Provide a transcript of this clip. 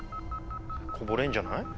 こぼれんじゃない？